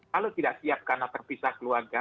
kalau tidak siap karena terpisah keluarga